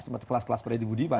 semua kelas kelas predi budiman